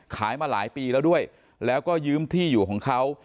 ขายมาหลายปีแล้วด้วยแล้วก็ยืมที่อยู่ของเขา